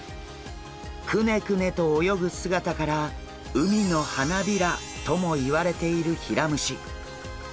クネクネと泳ぐ姿から海の花びらともいわれているヒラムシ。